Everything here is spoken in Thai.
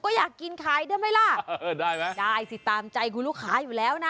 ก็อยากกินขายได้ไหมล่ะเออได้ไหมได้สิตามใจคุณลูกค้าอยู่แล้วนะ